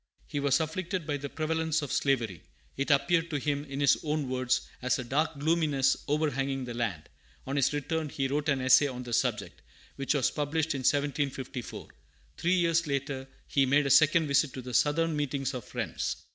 He was afflicted by the prevalence of slavery. It appeared to him, in his own words, "as a dark gloominess overhanging the land." On his return, he wrote an essay on the subject, which was published in 1754. Three years after, he made a second visit to the Southern meetings of Friends.